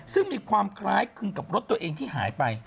ซึ่งมีความคล้ายคลึงกับรถตัวเองที่หายไป